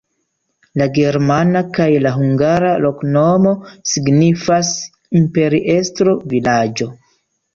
La germana kaj la hungara loknomo signifas: imperiestro-vilaĝo.